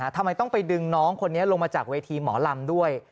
ทำไมต้องไปดึงน้องคนนี้ลงมาจากเวทีหมอลำด้วย